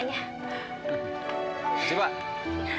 terima kasih pak